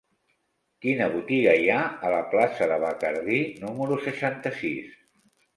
Quina botiga hi ha a la plaça de Bacardí número seixanta-sis?